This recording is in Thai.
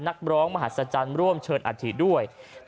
นักร้องมหัศจรรย์ร่วมเชิญอัฐิด้วย